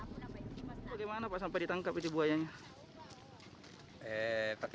bagaimana pak sampai ditangkap itu buayanya